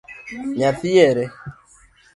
Nyathi ere?